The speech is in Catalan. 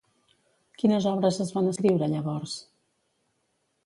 Quines obres es van escriure llavors?